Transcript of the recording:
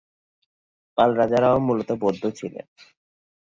পাল রাজারা মূলত বৌদ্ধ ছিলেন।